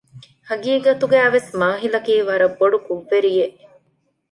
ހަގީގަތުގައިވެސް މާހިލަކީ ވަރަށް ބޮޑު ކުށްވެރިއެއް